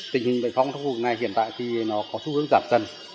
tình hình bệnh phong trong khu vực này hiện tại thì nó có xu hướng giảm dần